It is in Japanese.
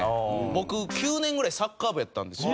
僕９年ぐらいサッカー部やったんですよ。